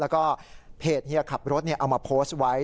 แล้วก็เพจเฮียขับรถเอามาโพสต์ไว้